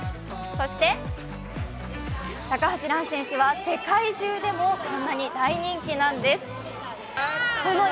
そして高橋藍選手は世界中でもこんなに大人気なんです。